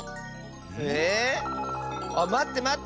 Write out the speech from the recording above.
えっ？あっまってまって！